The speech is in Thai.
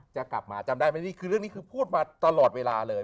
จะกลับมาจำได้ไหมนี่คือเรื่องนี้คือพูดมาตลอดเวลาเลย